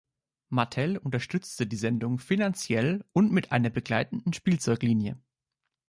Mattel unterstützte die Sendung finanziell und mit einer begleitenden Spielzeuglinie.